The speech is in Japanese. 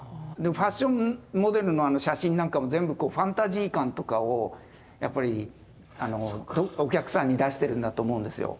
ファッションモデルの写真なんかも全部こうファンタジー感とかをやっぱりお客さんに出してるんだと思うんですよ。